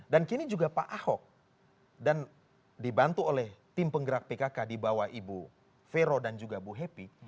dan kini juga pak ahok dan dibantu oleh tim penggerak pkk dibawah ibu vero dan juga ibu happy